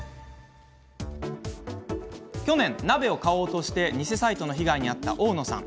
去年、鍋を買おうとして偽サイトの被害に遭った大野さん。